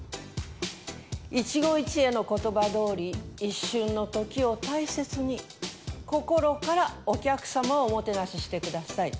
一期一会の言葉どおり一瞬の時を大切に心からお客様をおもてなししてください。